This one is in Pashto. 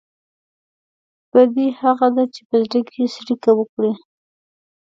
بدي هغه ده چې په زړه کې څړيکه وکړي.